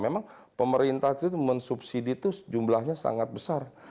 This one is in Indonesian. memang pemerintah itu mensubsidi itu jumlahnya sangat besar